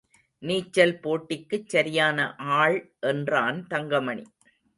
நீச்சல் போட்டிக்குச் சரியான ஆள் என்றான் தங்கமணி.